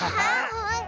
ほんとだ。